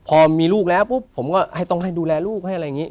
พอมีลูกแล้วปุ๊บผมก็ต้องให้ดูแลลูกให้อะไรอย่างนี้